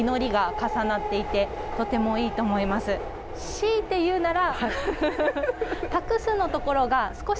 しいて言うなら。